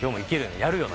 「やるよな」